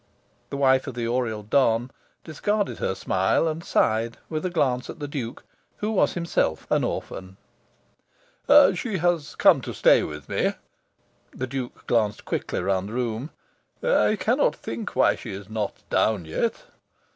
(The wife of the Oriel don discarded her smile, and sighed, with a glance at the Duke, who was himself an orphan.) "She has come to stay with me." (The Duke glanced quickly round the room.) "I cannot think why she is not down yet."